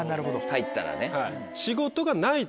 入ったらね。